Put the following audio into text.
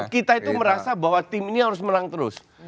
kita itu merasa bahwa tim ini harus menang terus